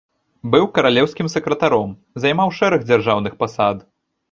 Быў каралеўскім сакратаром, займаў шэраг дзяржаўных пасад.